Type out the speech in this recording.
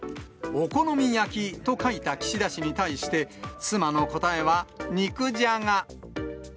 お好み焼きと書いた岸田氏に対して、妻の答えは、肉じゃが。